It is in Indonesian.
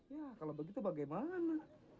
ya kalau begitu bagaimana